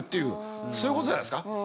そういうことじゃないですか。